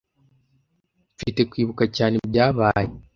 Mfite kwibuka cyane ibyabaye.